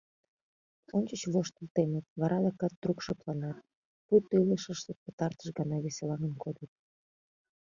Ончыч воштыл темыт, вара адакат трук шыпланат, пуйто илышыштышт пытартыш гана веселаҥын кодыт.